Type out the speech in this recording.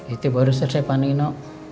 itu baru selesai pak nino